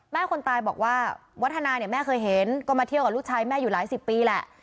คนตายบอกว่าวัฒนาเนี่ยแม่เคยเห็นก็มาเที่ยวกับลูกชายแม่อยู่หลายสิบปีแหละ